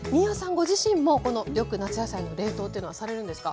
ご自身もこのよく夏野菜の冷凍というのはされるんですか？